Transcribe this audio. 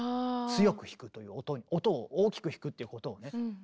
強く弾くという音を大きく弾くっていうことをね。